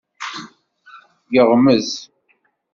Yeɣmez.